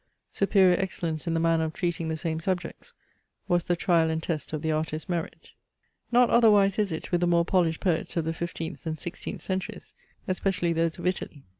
Superior excellence in the manner of treating the same subjects was the trial and test of the artist's merit. Not otherwise is it with the more polished poets of the fifteenth and sixteenth centuries, especially those of Italy.